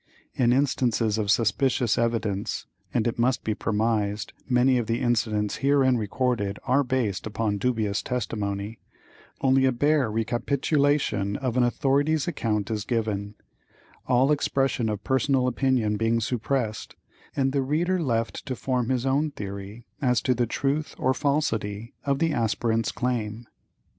In instances of suspicious evidence (and, it must be premised, many of the incidents herein recorded are based upon dubious testimony), only a bare recapitulation of an authority's account is given, all expression of personal opinion being suppressed, and the reader left to form his own theory as to the truth or falsity of the aspirant's claim.